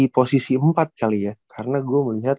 posisi empat kali ya karena gue melihat